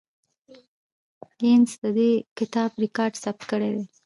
ګینس د دې کتاب ریکارډ ثبت کړی دی.